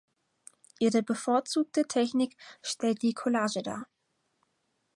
Ihre bevorzugte Technik stellt die Collage dar.